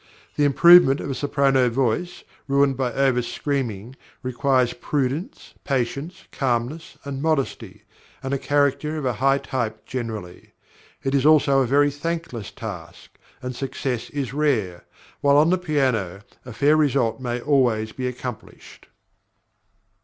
The improvement of a soprano voice, ruined by over screaming, requires prudence, patience, calmness, and modesty, and a character of a high type generally. It is also a very thankless task, and success is rare; while on the piano a fair result may always be accomplished.